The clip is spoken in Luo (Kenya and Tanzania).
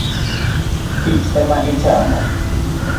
Thich ema ichamo